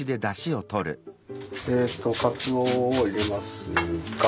えっとかつおを入れますか。